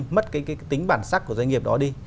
mất cái tính bản sắc của doanh nghiệp đó đi